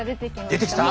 出てきた？